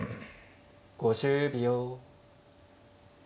５０秒。